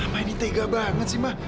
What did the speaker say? ma ini tega banget sih ma